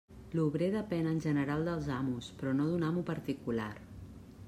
L'obrer depèn en general dels amos, però no d'un amo particular.